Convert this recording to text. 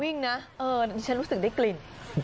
วิ่งนะฉันรู้สึกได้กลิ่น